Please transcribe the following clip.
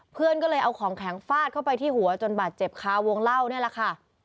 เพื่อนก็เลยเอาของแข็งฟาดเข้าไปที่หัวจนบาดเจ็บคาวงเล่านี่แหละค่ะ